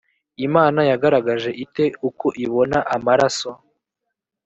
imana yagaragaje ite uko ibona amaraso